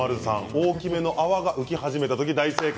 大きめの泡が浮き始めた時大正解。